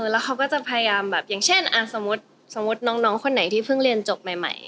แล้วเขาก็จะพยายามแบบอย่างเช่นสมมุติน้องคนไหนที่เพิ่งเรียนจบใหม่